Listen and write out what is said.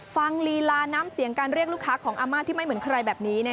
ลีลาน้ำเสียงการเรียกลูกค้าของอาม่าที่ไม่เหมือนใครแบบนี้